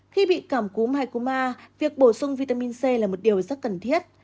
khi bị cảm cúm hay cô ma việc bổ sung vitamin c là một điều rất cần thiết